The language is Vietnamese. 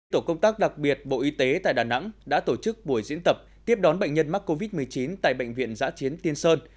tổ công tác đặc biệt bộ y tế tại đà nẵng đã tổ chức buổi diễn tập tiếp đón bệnh nhân mắc covid một mươi chín tại bệnh viện giã chiến tiên sơn